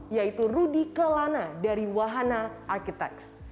yaitu rudy kelana dari wahana arkiteks